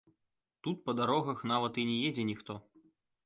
Тут па дарогах нават і не едзе ніхто.